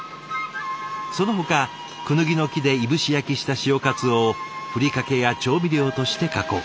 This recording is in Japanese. そのほかクヌギの木でいぶし焼きした潮かつおをふりかけや調味料として加工。